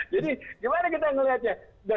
jadi gimana kita ngelihatnya